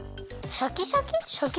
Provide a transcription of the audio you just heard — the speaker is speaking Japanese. シャキシャキ？